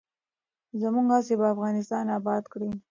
زموږ هڅې به افغانستان اباد کړي.